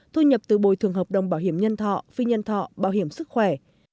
thu nhập từ bồi thường hợp đồng bảo hiểm nhân thọ phi nhân thọ bảo hiểm sức khỏe